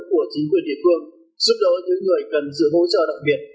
theo hướng dẫn của chính quyền địa phương giúp đỡ những người cần sự hỗ trợ đặc biệt